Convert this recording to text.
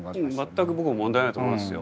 全く僕も問題ないと思いますよ。